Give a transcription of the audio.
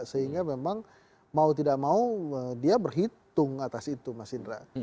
sehingga memang mau tidak mau dia berhitung atas itu mas indra